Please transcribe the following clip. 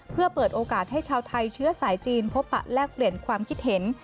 เพื่อเปิดโอกาสให้ชาวไทยเชื้อสายจีนพบปะแลกเปลี่ยนความคิดเห็น